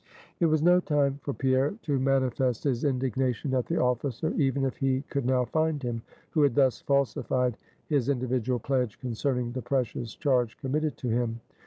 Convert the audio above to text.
It was no time for Pierre to manifest his indignation at the officer even if he could now find him who had thus falsified his individual pledge concerning the precious charge committed to him.